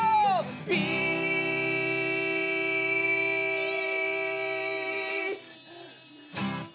ピース！